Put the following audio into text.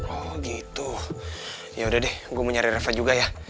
oh gitu yaudah deh gue mau nyari reva juga ya